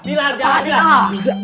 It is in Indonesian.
bilal jalan jalan